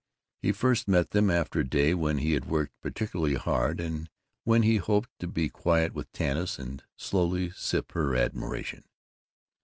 He first met them after a day when he had worked particularly hard and when he hoped to be quiet with Tanis and slowly sip her admiration.